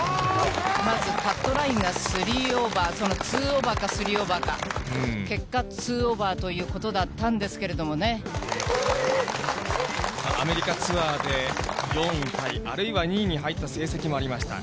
まずカットラインが３オーバー、２オーバーか３オーバーか、結果、２オーバーということだったんでアメリカツアーで４位タイ、あるいは２位に入った成績もありました。